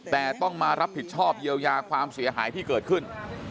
แต่ต้องมารับผิดชอบเยียวยาความเสียหายที่เกิดขึ้น